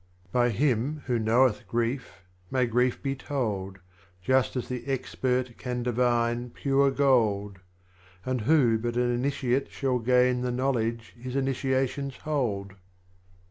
34. By him who knoweth Grief, may Grief be told, Just as the Expert can divine Pure Gold, And who but an Liitiate shall gain The Knowledge his Initiations hold